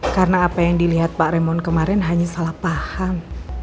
karena apa yang dilihat pak raymond kemarin hanya salah paham